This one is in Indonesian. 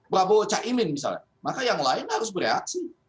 prabowo caimin misalnya maka yang lain harus bereaksi